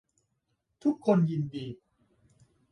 ทุกคนยินดี